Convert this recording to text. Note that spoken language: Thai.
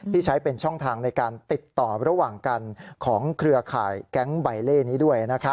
ใช้เป็นช่องทางในการติดต่อระหว่างกันของเครือข่ายแก๊งใบเล่นี้ด้วย